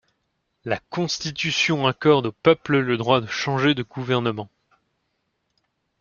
La constitution accorde au peuple le droit de changer de gouvernement.